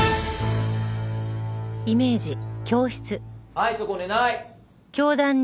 はいそこ寝ない！